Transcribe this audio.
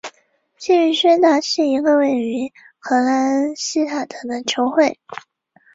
叙利亚修道院是一所位于埃及布海拉省纳特隆谷沙漠地带的科普特正教会修道院。